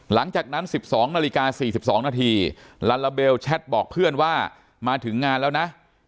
หลังจากนั้น๑๒นาฬิกา๔๒นาทีลัลลาเบลแชทบอกเพื่อนว่ามาถึงงานแล้วนะ